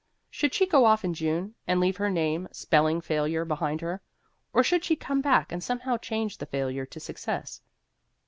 Should she go off in June and leave her name spelling failure behind her? Or should she come back and somehow change the failure to success?